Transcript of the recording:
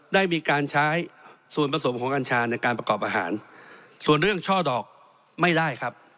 ได้มีการใช้ส่วนผสมของกัญชาในการประกอบอาหารส่วนเรื่องช่อดอกไม่ได้ครับ